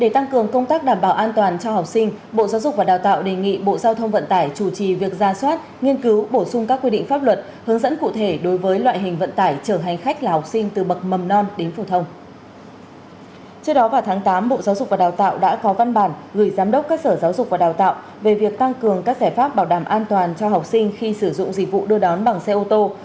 trước đó vào tháng tám bộ giáo dục và đào tạo đã có văn bản gửi giám đốc các sở giáo dục và đào tạo về việc tăng cường các giải pháp bảo đảm an toàn cho học sinh khi sử dụng dịch vụ đưa đón bằng xe ô tô